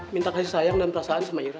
minta kasih sayang dan perasaan sama ira